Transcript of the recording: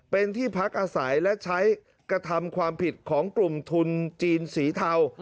เป็นที่พักอาศัยและใช้กระทำความผิดของกลุ่มทุนจีนสีเทา